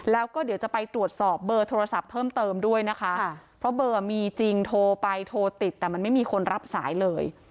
แล้วก็เดี๋ยวจะไปตรวจสอบเบอร์โทรศัพท์เพิ่มเติมด้วยนะคะเพราะเบอร์มีจริงโทรไปโทรติดแต่มันไม่มีคนรับสายเลย